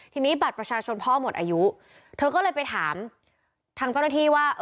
ทีนี้บัตรประชาชนพ่อหมดอายุเธอก็เลยไปถามทางเจ้าหน้าที่ว่า